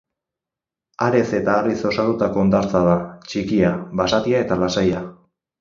Arez eta harriz osatutako hondartza da, txikia, basatia eta lasaia.